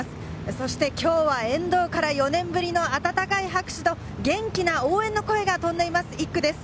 そして、きょうは沿道から４年ぶりの温かい拍手と元気な応援の声が飛んでいます、１区です。